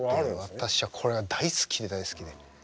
私はこれが大好きで大好きで。